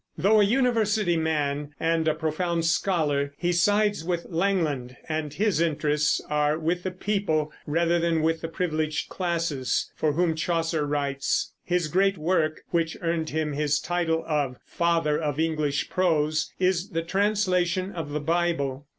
Though a university man and a profound scholar, he sides with Langland, and his interests are with the people rather than with the privileged classes, for whom Chaucer writes. His great work, which earned him his title of "father of English prose," is the translation of the Bible.